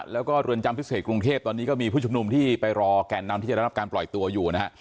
แล้วก็เรือนจำพิเศษกรุงเทพตอนนี้ก็มีผู้ชุมนุมที่ไปรอแก่นนำที่จะได้รับการปล่อยตัวอยู่นะฮะ